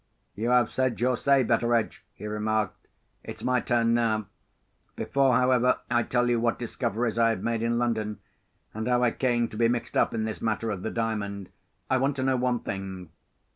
"You have said your say, Betteredge," he remarked. "It's my turn now. Before, however, I tell you what discoveries I have made in London, and how I came to be mixed up in this matter of the Diamond, I want to know one thing.